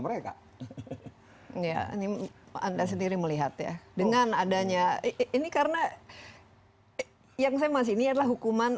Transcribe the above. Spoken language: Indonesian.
mereka ya ini anda sendiri melihat ya dengan adanya ini karena yang saya masih ini adalah hukuman